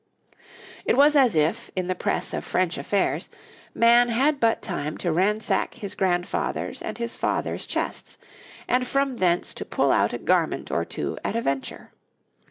It was as if, in the press of French affairs, man had but time to ransack his grandfather's and his father's chests, and from thence to pull out a garment or two at a venture.